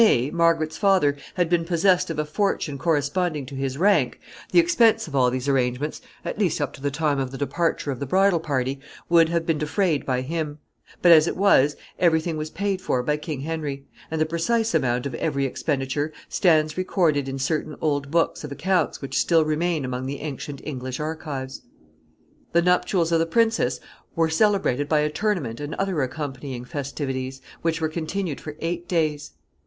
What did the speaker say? ] If René, Margaret's father, had been possessed of a fortune corresponding to his rank, the expense of all these arrangements, at least up to the time of the departure of the bridal party, would, have been defrayed by him; but as it was, every thing was paid for by King Henry, and the precise amount of every expenditure stands recorded in certain old books of accounts which still remain among the ancient English archives. [Sidenote: Tournament.] [Sidenote: The victors in the games.] The nuptials of the princess were celebrated by a tournament and other accompanying festivities, which were continued for eight days.